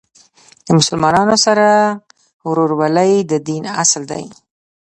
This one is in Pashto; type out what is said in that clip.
د مسلمانانو سره ورورولۍ د دین اصل دی.